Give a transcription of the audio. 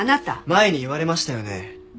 前に言われましたよね？